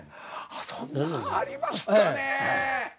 そんなんありましたね。